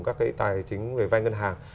các cái tài chính về vai ngân hàng